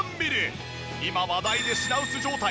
今話題で品薄状態